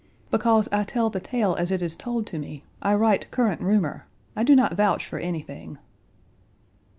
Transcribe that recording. "Because I tell the tale as it is told to me. I write current rumor. I do not vouch for anything."